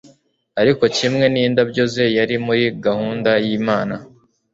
ariko kimwe n'indabyo ze, yari muri gahunda y'imana